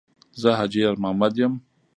ـ زه حاجي یارمحمد یم.